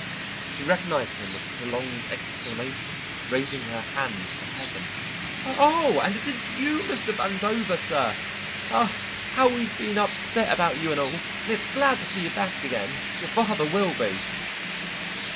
She recognized him with a prolonged exclamation, raising her hands to heaven. "O oh, and is it you, Mr. Vandover, sir? Ah, how we've been upset about you and all, and it's glad to see you back again your father will be!